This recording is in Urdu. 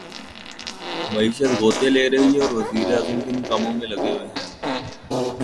معیشت غوطے لے رہی ہے اور وزیر اعظم کن کاموں میں لگے ہوئے ہیں۔